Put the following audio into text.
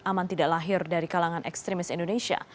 aman tidak lahir dari kalangan ekstremis indonesia